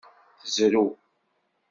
Tezrew.